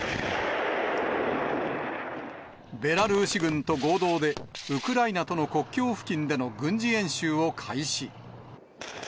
ベラルーシ軍と合同で、ウクライナとの国境付近での軍事演習を開始。